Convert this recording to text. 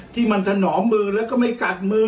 ที่มันถนอมมือแล้วก็ไม่กัดมือ